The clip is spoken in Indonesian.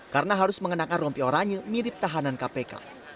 karena harus mengenakan rompi oranye mirip tahanan kpk